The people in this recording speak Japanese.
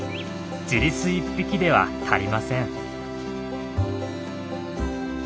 ジリス１匹では足りません。